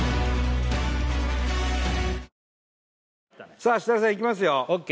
さあ設楽さんいきますよ